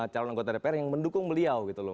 calon anggota dpr yang mendukung beliau gitu loh